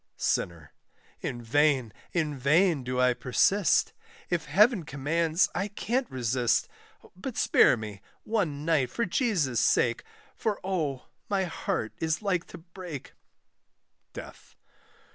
SINNER. In vain, in vain, do I persist, If Heaven commands I can't resist; But spare one night for Jesus' sake, For, oh, my heart is like to break; DEATH.